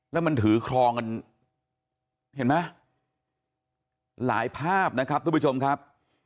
แล้วมันถือครองกันเห็นไหมหลายภาพนะครับทุกผู้ชมครับ